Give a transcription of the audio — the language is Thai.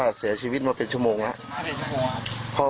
ก็เสียชีวิตมาเป็นชั่วโมงแล้ว